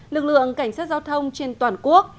lực lượng cảnh sát giao thông trên toàn quốc